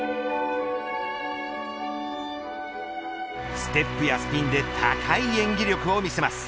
ステップやスピンで高い演技力を見せます。